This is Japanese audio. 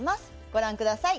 ご覧ください。